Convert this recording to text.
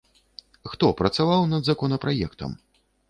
Хто працаваў над законапраектам?